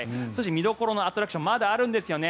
見どころのアトラクションまだあるんですよね。